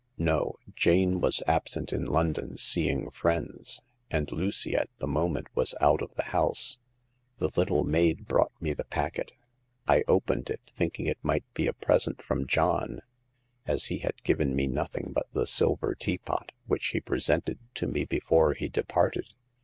" No ; Jane was absent in London seeing friends ; and Lucy at the moment was out of the house, The little maid brought me the packet. I opened it, thinking it might be a present from John, as he had given me nothing but the silver teapot, which he presented to me before he de parted.